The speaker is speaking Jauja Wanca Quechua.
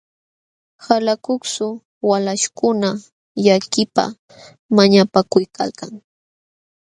Qalaluksu walaśhkuna llakiypaq mañapakuykalkan.